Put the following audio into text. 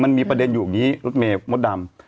มันมีประเด็นอยู่อย่างนี้รถเมย์มดดำ